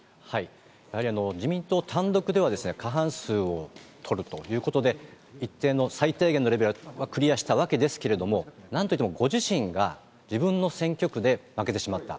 やはり自民党単独では過半数を取るということで、一定の、最低限のレベルはクリアしたわけですけれども、なんといってもご自身が自分の選挙区で負けてしまった。